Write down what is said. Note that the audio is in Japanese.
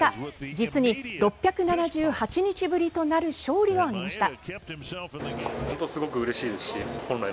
実に６７８日ぶりとなる勝利を挙げました。